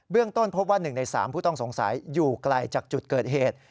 ต้นพบว่า๑ใน๓ผู้ต้องสงสัยอยู่ไกลจากจุดเกิดเหตุ